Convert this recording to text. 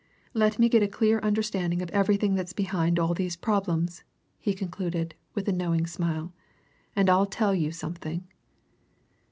Let me get a clear understanding of everything that's behind all these problems," he concluded, with a knowing smile, "and I'll tell you something!"